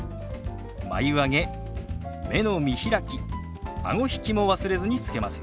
眉上げ目の見開きあご引きも忘れずにつけますよ。